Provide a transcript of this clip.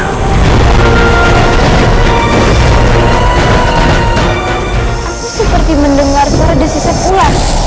aku seperti mendengar suara desisan ular